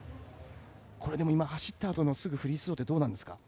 走ったあとすぐのフリースローってどうなんですか？